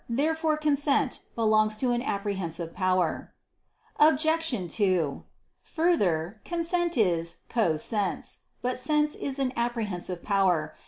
Therefore consent belongs to an apprehensive power. Obj. 2: Further, consent is "co sense." But sense is an apprehensive power.